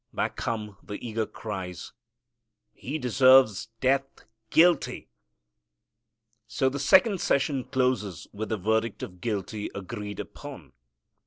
Back come the eager cries, "He deserves death Guilty." So the second session closes with the verdict of guilty agreed upon.